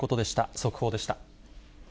速報でした。